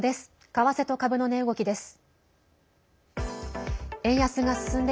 為替と株の値動きです。